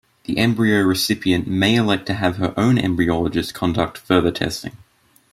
The embryo recipient may elect to have her own embryologist conduct further testing.